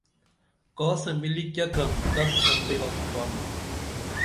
کاسہ ملی کیہ کرم تپچھم بئی وخ ڇھارنُم